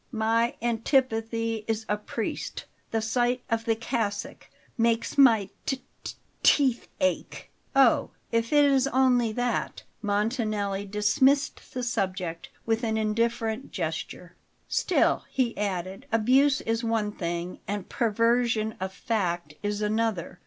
My antipathy is a priest. The sight of the cassock makes my t t teeth ache." "Oh, if it is only that " Montanelli dismissed the subject with an indifferent gesture. "Still," he added, "abuse is one thing and perversion of fact is another.